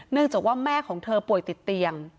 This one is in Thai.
จากว่าแม่ของเธอป่วยติดเตียง